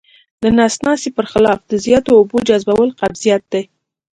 د نس ناستي پر خلاف د زیاتو اوبو جذبول قبضیت دی.